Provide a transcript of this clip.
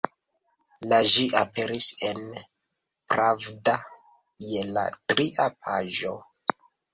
La ĝi aperis en «Pravda» je la tria paĝo.